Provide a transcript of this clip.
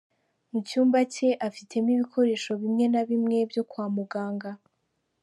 Mu cyumba cye afitemo ibikoresho bimwe na bimwe byo kwa muganga.